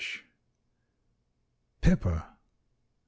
PEPPER.